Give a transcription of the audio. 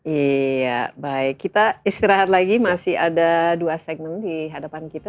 iya baik kita istirahat lagi masih ada dua segmen di hadapan kita